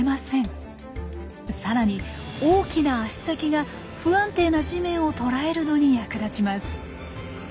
さらに大きな足先が不安定な地面を捉えるのに役立ちます。